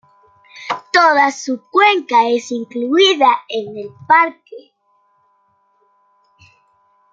Toda su cuenca está incluida en el parque.